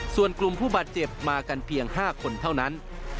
ส่วนกลุ่มผู้บาดเจ็บมากันเพียง๕คนเท่านั้น